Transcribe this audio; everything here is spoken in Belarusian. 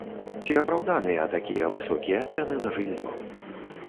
Ці апраўданыя такія высокія цэны на жыллё?